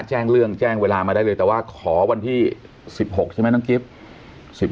แจ้งเรื่องแจ้งเวลามาได้เลยแต่ว่าขอวันที่๑๖ใช่ไหมน้องกิฟต์